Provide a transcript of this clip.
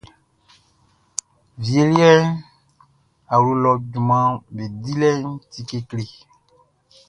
Wie liɛʼn, awlo lɔ junmanʼm be dilɛʼn ti kekle.